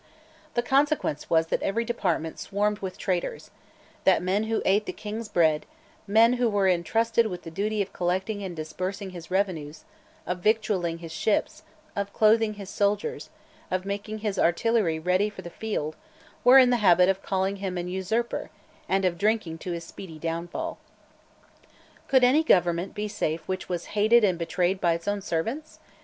The consequence was that every department swarmed with traitors; that men who ate the King's bread, men who were entrusted with the duty of collecting and disbursing his revenues, of victualling his ships, of clothing his soldiers, of making his artillery ready for the field, were in the habit of calling him an usurper, and of drinking to his speedy downfall. Could any government be safe which was hated and betrayed by its own servants?